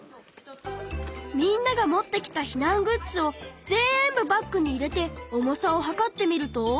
みんなが持ってきた避難グッズをぜんぶバッグに入れて重さを量ってみると。